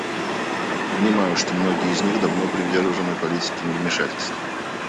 Понимаю, что многие из них давно привержены политике невмешательства.